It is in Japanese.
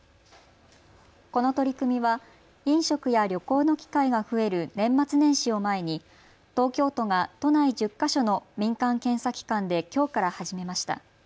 この取り組みは飲食や旅行の機会が増える年末年始を前に東京都が都内１０か所の民間検査機関できょうから始めました。